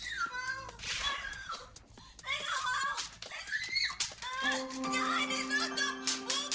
emangnya kenapa sih